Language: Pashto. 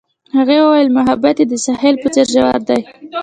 هغې وویل محبت یې د ساحل په څېر ژور دی.